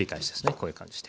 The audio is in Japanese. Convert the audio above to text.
こういう感じで。